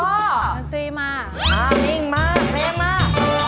อันตรีมากมากนิ่งมากแพร่งมาก